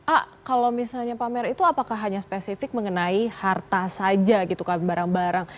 a kalau misalnya pamer itu apakah hanya spesifik mengenai harta saja gitu kan barang barang